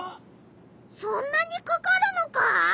そんなにかかるのか！？